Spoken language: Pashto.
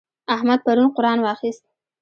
احمد پرون قرآن واخيست.